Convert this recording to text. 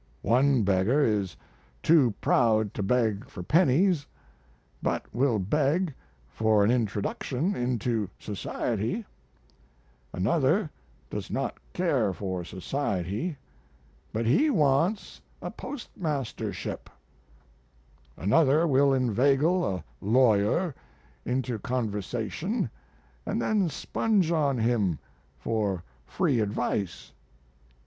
One beggar is too proud to beg for pennies, but will beg for an introduction into society; another does not care for society, but he wants a postmastership; another will inveigle a lawyer into conversation and then sponge on him for free advice.